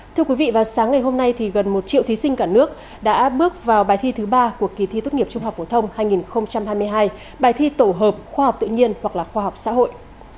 thưa quý vị vào sáng ngày hôm nay thì gần một triệu thí sinh cả nước đã bước vào bài thi thứ ba của kỳ thi tốt nghiệp trung học phổ thông hai nghìn hai mươi hai bài thi tổ hợp khoa học tự nhiên hoặc là khoa học xã hội